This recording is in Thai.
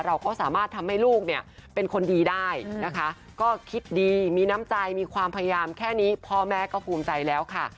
เราก็สามารถทำให้ลูกเนี่ยเป็นคนดีได้นะคะก็คิดดีมีน้ำใจมีความพยายามแค่นี้พ่อแม่ก็ภูมิใจแล้วค่ะ